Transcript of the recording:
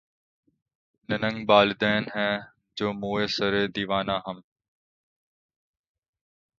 ننگ بالیدن ہیں جوں موئے سرِ دیوانہ ہم